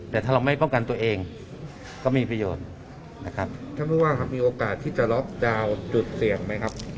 แต่ถ้าเราไม่ป้องกันตัวเองก็ไม่มีประโยชน์นะครับ